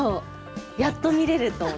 やっと見られると。